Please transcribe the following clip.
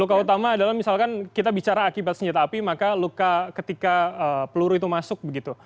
luka utama adalah misalkan kita bicara akibat senjata api maka luka ketika peluru itu masuk begitu